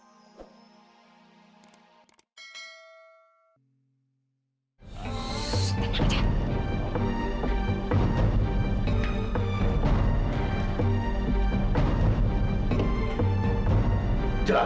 shhh tenang aja